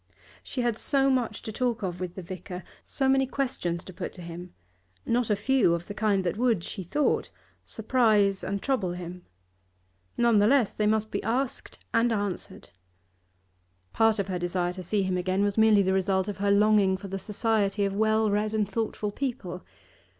She had so much to talk of with the vicar, so many questions to put to him, not a few of a kind that would she thought surprise and trouble him. None the less, they must be asked and answered. Part of her desire to see him again was merely the result of her longing for the society of well read and thoughtful people.